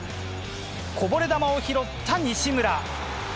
こぼれ球を拾った西村。